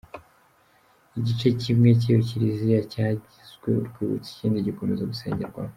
Igice kimwe cy’iyo kiliziya cyagizwe urwibutso ikindi gikomeza gusengerwamo.